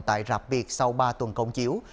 tại rạp biệt sau ba tuần công chiếu